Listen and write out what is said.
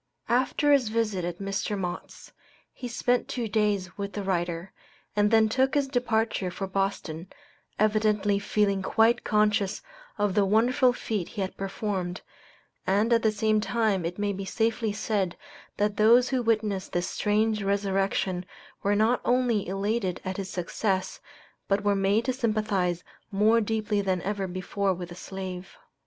After his visit at Mr. Mott's, he spent two days with the writer, and then took his departure for Boston, evidently feeling quite conscious of the wonderful feat he had performed, and at the same time it may be safely said that those who witnessed this strange resurrection were not only elated at his success, but were made to sympathize more deeply than ever before with the slave.